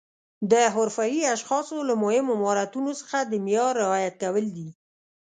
د حرفوي اشخاصو له مهمو مهارتونو څخه د معیار رعایت کول دي.